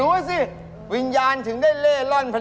พอแล้วแหละไม่เอาเงินลงมา